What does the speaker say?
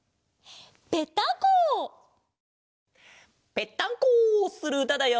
ぺったんこするうただよ！